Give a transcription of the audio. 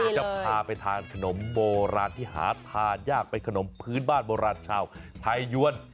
จะพาไปทานขนมโบราณที่หาทานยากเป็นขนมพื้นบ้านโบราณชาวไทยยวน